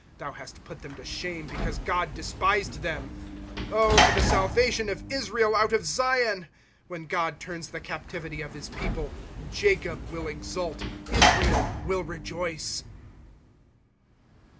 Thou hast put them to shame, because God despised them. ' Oh for the salvation of Israel out of Zion! When God turns the captivity of his people, Jacob will exult, Israel will rejoice.